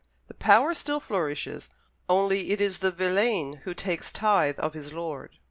The power still flourishes, only it is the villein who takes tithe of his lord.